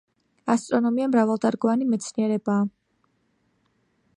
ასტრონომია მრავალდარგოვანი მეცნიერებაა.